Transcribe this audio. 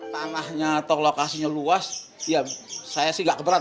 tanahnya atau lokasinya luas ya saya sih nggak keberatan